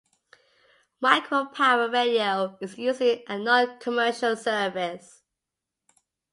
Micropower radio is "usually" a non-commercial service.